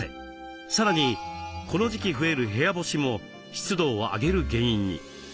さらにこの時期増える部屋干しも湿度を上げる原因に。